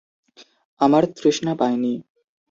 আমার তৃষ্ণা পায় নি।